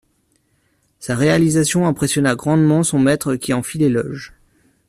Sa réalisation impressionna grandement son maître qui en fit l'éloge.